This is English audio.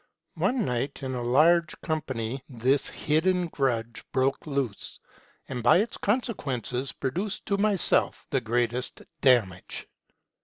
One ' night, in a large company, this hidden grudge broke loose, and, by its conse quences, produced to myself the greatest damage.